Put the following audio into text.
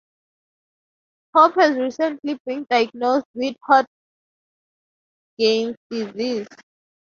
Hope has recently been diagnosed with Hodgkins Disease.